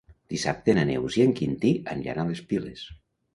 Dissabte na Neus i en Quintí aniran a les Piles.